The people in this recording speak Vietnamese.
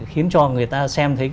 khiến cho người ta xem thấy